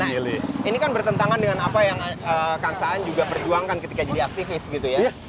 nah ini kan bertentangan dengan apa yang kang saan juga perjuangkan ketika jadi aktivis gitu ya